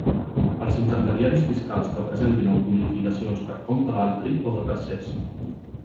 Els intermediaris fiscals que presentin autoliquidacions per compte d'altri o de tercers.